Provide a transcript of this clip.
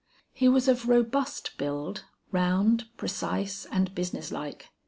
He was of robust build, round, precise and business like.